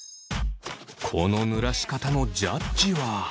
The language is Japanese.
このぬらし方のジャッジは。